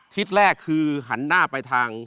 ทิศแรกคือหันหน้าไปทาง